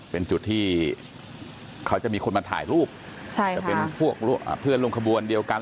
เป็นจุดที่เขาจะมีคนมาถ่ายรูปจะเป็นพวกเพื่อนลงขบวนเดียวกัน